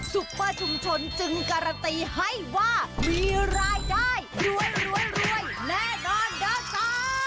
สุภาชุมชนจึงกรัตตีให้ว่ามีรายได้รวยรวยแน่นอนเดอะซ่า